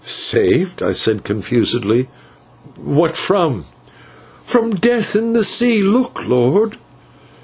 "Saved?" I said, confusedly. "What from?" "From death in the sea. Look, lord."